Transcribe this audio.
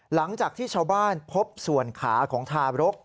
หลังจากที่ชาวบ้านพบส่วนขาของทารก